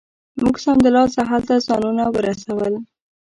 موږ سمدلاسه هلته ځانونه ورسول.